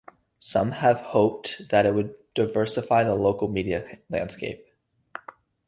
Some have hoped that it would diversify the local media landscape.